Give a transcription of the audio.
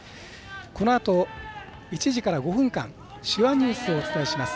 このあと、１時から５分間「手話ニュース」をお伝えします。